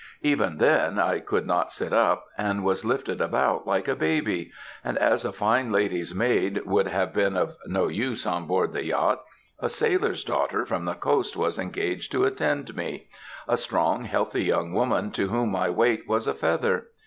Even then, I could not sit up, and was lifted about like a baby; and as a fine lady's maid would have been of no use on board the yacht, a sailor's daughter from the coast was engaged to attend me; a strong, healthy young woman, to whom my weight was a feather.